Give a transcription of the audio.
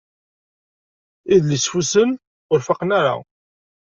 Idlisfusen ur fuqen ara.